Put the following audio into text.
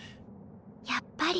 やっぱり。